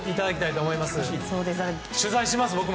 僕も取材します。